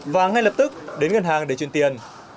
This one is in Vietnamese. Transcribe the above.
và ngay lập tức đến ngân hàng để truyền tiền